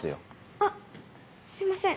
あっすいません